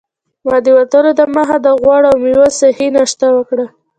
ما د وتلو دمخه د غوړ او میوو صحي ناشته وکړه.